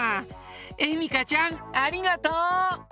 えみかちゃんありがとう！